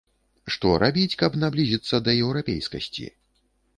Што рабіць, каб наблізіцца да еўрапейскасці?